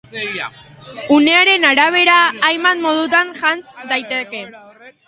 Unearen arabera, hainbat modutan jantz daiteke.